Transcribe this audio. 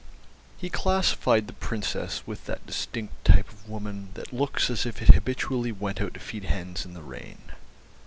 He classified the Princess with that distinct type of woman that looks as if it habitually went out to feed hens in the rain.